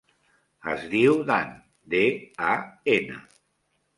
Es diu Dan: de, a, ena.